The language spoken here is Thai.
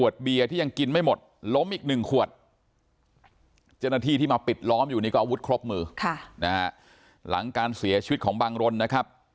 เจ้าหน้าที่ที่มาปิดล้อมอยู่นี่ก็อาวุธครบมือหลังการเสียชีวิตของบังรนนะครับ